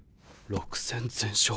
６戦全勝。